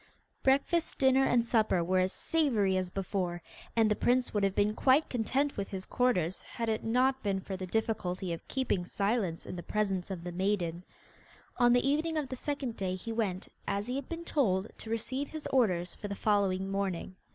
Breakfast, dinner, and supper were as savoury as before, and the prince would have been quite content with his quarters had it not been for the difficulty of keeping silence in the presence of the maiden. On the evening of the second day he went, as he had been told, to receive his orders for the following morning.